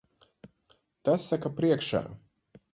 Tas saka priekšā.